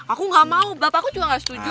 aku gak mau bapak aku juga gak setuju